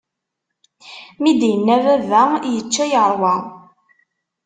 Mi d-inna, baba yečča yeṛwa.